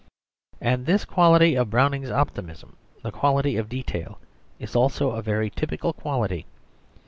And this quality of Browning's optimism, the quality of detail, is also a very typical quality.